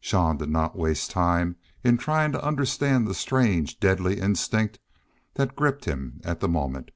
Jean did not waste time in trying to understand the strange, deadly instinct that gripped him at the moment.